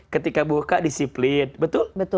ketika buka disiplin betul